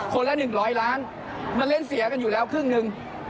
ละ๑๐๐ล้านมันเล่นเสียกันอยู่แล้วครึ่งหนึ่ง